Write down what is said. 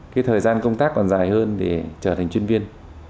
cái thời gian công tác còn dài hơn để trở thành chuyên viên